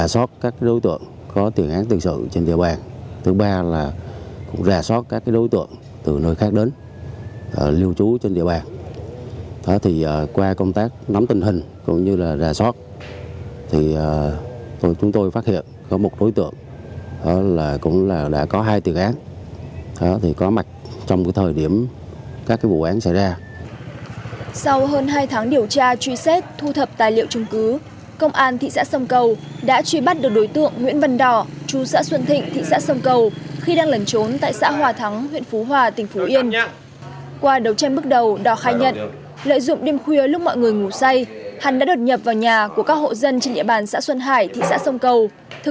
qua đấu tranh bước đầu đỏ khai nhận lợi dụng đêm khuya lúc mọi người ngủ say hắn đã đột nhập vào nhà của các hộ dân trên địa bàn xã xuân hải thị xã sông cầu